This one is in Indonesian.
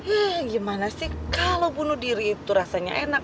eh gimana sih kalau bunuh diri itu rasanya enak